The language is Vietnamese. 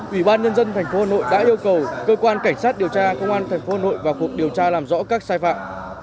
ủy ban nhân dân thành phố hà nội đã yêu cầu cơ quan cảnh sát điều tra công an thành phố hà nội vào cuộc điều tra làm rõ các sai phạm